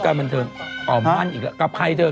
กับใครเถอะกับคนที่มีลูกกันเหรอ